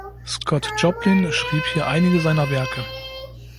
Scott Joplin schrieb hier einige seiner Werke.